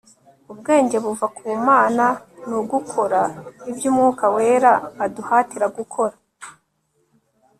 ubwenge buva ku mana ni ugukora ibyo umwuka wera aduhatira gukora